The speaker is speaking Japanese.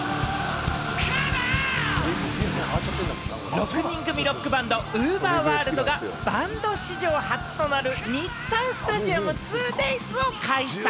６人組ロックバンド・ＵＶＥＲｗｏｒｌｄが、バンド史上初となる、日産スタジアム２デイズを開催。